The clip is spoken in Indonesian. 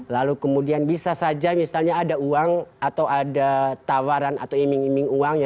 lalu kemudian bisa saja misalnya ada uang atau ada tawaran atau iming iming uangnya